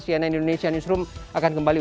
cnn indonesia newsroom akan kembali